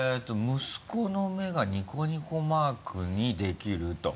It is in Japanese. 「息子の目がニコニコマークにできる」と。